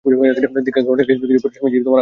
দীক্ষাগ্রহণের কিছু পরে স্বামীজীর আহার হইল।